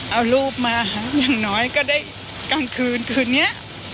เอารูปมาอย่างน้อยก็ได้กลางคืนคืนนี้